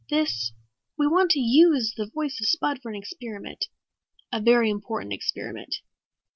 "This we want to use the voice of Spud for an experiment. A very important experiment.